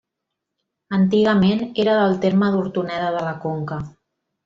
Antigament era del terme d'Hortoneda de la Conca.